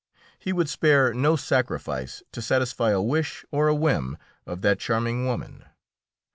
He would spare no sacrifice to satisfy a wish or a whim of that charming woman.